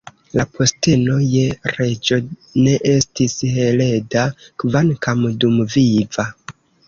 La posteno je reĝo ne estis hereda, kvankam dumviva.